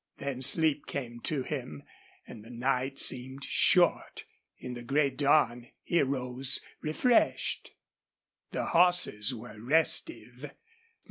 Then sleep came to him and the night seemed short. In the gray dawn he arose refreshed. The horses were restive.